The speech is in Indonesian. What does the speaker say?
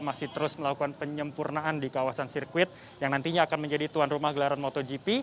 masih terus melakukan penyempurnaan di kawasan sirkuit yang nantinya akan menjadi tuan rumah gelaran motogp